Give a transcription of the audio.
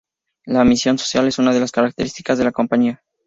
La misión social es una de las características de la compañía.